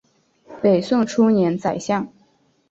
北宋初年宰相。